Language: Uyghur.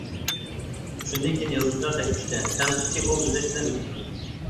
شۇندىن كېيىن يازغۇچىلار تەشۋىشتە، تەنقىدچى ئوۋ ئىزدەش بىلەن ئۆتىدۇ.